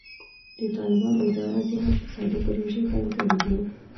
د طالبانو اداره ځینې اقتصادي پروژې پیل کړي دي.